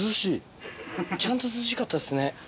ちゃんと涼しかったですね。